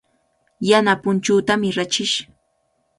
Yana punchuutami rachish.